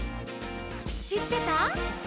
「しってた？」